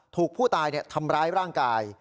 ถูกผู้ตายทำร้ายร่างกาย